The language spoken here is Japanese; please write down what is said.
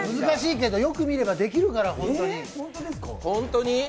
難しいけど、よく見ればできるから、ホントに。